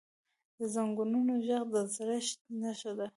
د زنګونونو ږغ د زړښت نښه ده.